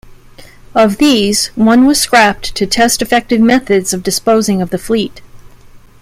Of these, one was scrapped to test effective methods of disposing of the fleet.